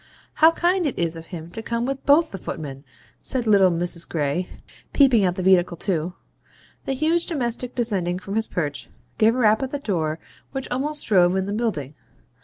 'How kind it is of him to come with BOTH the footmen!' says little Mrs. Gray, peeping at the vehicle too. The huge domestic, descending from his perch, gave a rap at the door which almost drove in the building.